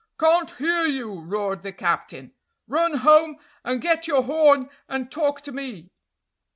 "Can't hear you!" roared the captain. "Run home and get your horn, and talk to me."